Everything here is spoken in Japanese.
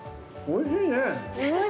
◆おいしいね。